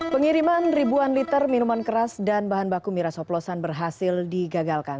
pengiriman ribuan liter minuman keras dan bahan baku miras hoplosan berhasil digagalkan